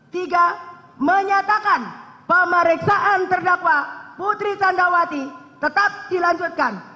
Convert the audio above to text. tiga menyatakan pemeriksaan terdakwa putri candrawati tetap dilanjutkan